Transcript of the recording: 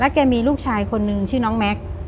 แกมีลูกชายคนนึงชื่อน้องแม็กซ์